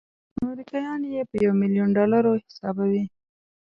امریکایان یې په یو میلیون ډالرو حسابوي.